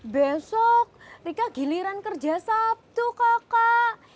besok rika giliran kerja sabtu kakak